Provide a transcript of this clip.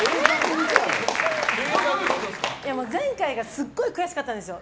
前回がすごい悔しかったんですよ。